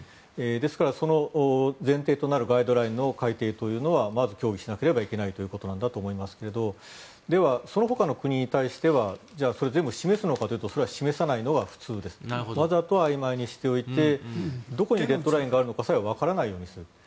その前提となるガイドラインの改定というのはまず協議しなければいけないということだと思いますがでは、そのほかの国に対してはじゃあ、全部それを示すのかといわれたらそれは示さないのが普通です。わざとあいまいにしておいてどこにレッドラインがあるかさえわからないようにする。